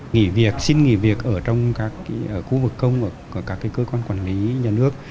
nghỉ việc xin nghỉ việc ở trong các khu vực công và các cơ quan quản lý nhà nước